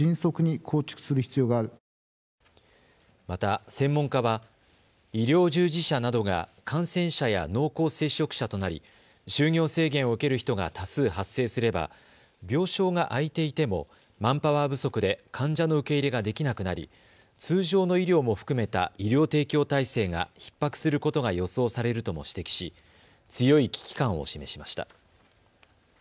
また、専門家は医療従事者などが感染者や濃厚接触者となり就業制限を受ける人が多数、発生すれば病床が空いていてもマンパワー不足で患者の受け入れができなくなり通常の医療も含めた医療提供体制がひっ迫することが予想されるとも指摘し強い危機感を示しました。